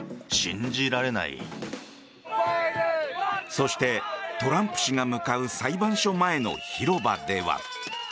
そして、トランプ氏が向かう裁判所前の広場では。